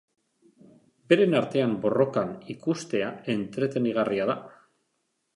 Beren artean borrokan ikustea entretenigarria da.